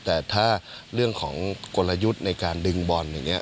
แต่ถ้าเรื่องของกลยุทธ์ในการดึงบอลอย่างนี้